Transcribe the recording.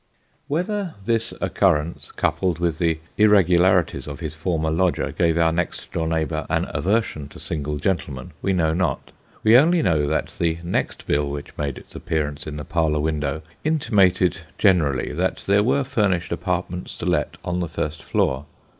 Whether this occurrence, coupled with the irregularities of his former lodger, gave our next door neighbour an aversion to single gentlemen, we know not ; we only know that the next bill which made its appearance in the parlour window intimated generally, that there were furnished apartments to let on the first floor.